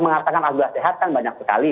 mengatakan abdullah sehat kan banyak sekali